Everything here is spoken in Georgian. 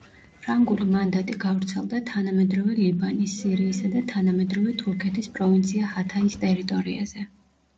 ფრანგული მანდატი გავრცელდა თანამედროვე ლიბანის, სირიისა და თანამედროვე თურქეთის პროვინცია ჰათაის ტერიტორიაზე.